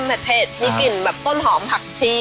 มันก็มีกลิ่นแบบต้นหอมพักชี